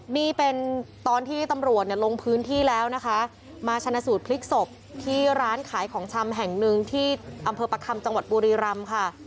นี่เป็นตอนที่ตำรวจเนี่ยลงพื้นที่แล้วนะคะมาชนะสูตรพลิกศพที่ร้านขายของชำแห่งหนึ่งที่อำเภอประคำจังหวัดบุรีรำค่ะ